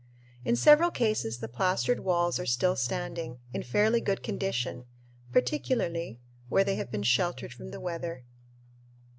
In several cases the plastered walls are still standing, in fairly good condition, particularly where they have been sheltered from the weather.